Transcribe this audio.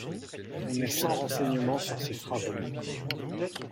On est sans renseignements sur ses travaux.